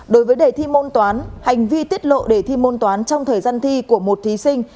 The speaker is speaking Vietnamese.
đối với đề thi môn toán hành vi tiết lộ đề thi môn toán trong thời gian thi của một thí sinh